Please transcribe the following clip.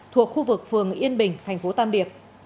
thuộc khu vực phường yên bình thành phố tam điệp